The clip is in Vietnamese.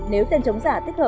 nếu tem chống giả công nghệ cao